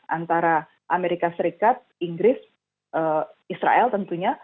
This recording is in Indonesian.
antara amerika serikat inggris israel tentunya